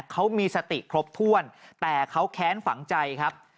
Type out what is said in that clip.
เขามีสติครบถ้วนแต่เขาแค้นฝังใจครับ